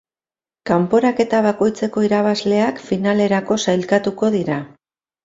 Kanporaketa bakoitzeko irabazleak finalerako sailkatuko dira.